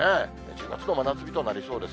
１０月の真夏日となりそうです。